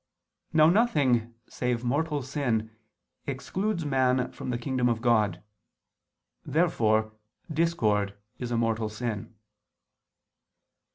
Now nothing, save mortal sin, excludes man from the kingdom of God. Therefore discord is a mortal sin.